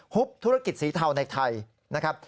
ุบธุรกิจสีเทาในไทยนะครับ